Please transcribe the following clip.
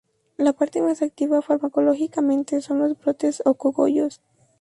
La parte más activa farmacológicamente son los brotes o "cogollos".